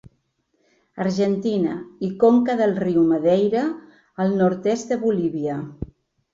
Argentina i conca del riu Madeira al nord-est de Bolívia.